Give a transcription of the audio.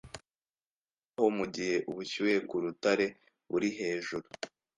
igice bibaho mugihe ubushyuhe kurutare buri hejuru